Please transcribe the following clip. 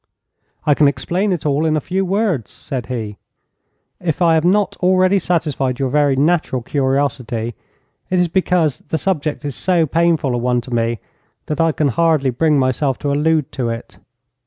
'I can explain it all in a few words,' said he. 'If I have not already satisfied your very natural curiosity, it is because the subject is so painful a one to me that I can hardly bring myself to allude to it.